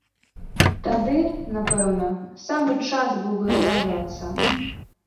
Тады, напэўна, самы час быў бы абрадавацца!